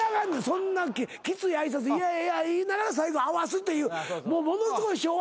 そんなきつい挨拶嫌嫌言いながら最後合わすっていうものすごい昭和の笑いやけども。